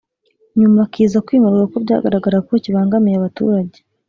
nyuma kiza kwimurwa kuko byagaragaraga ko kibangamiye abaturage